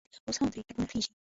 اوس هم ترې تپونه خېژي.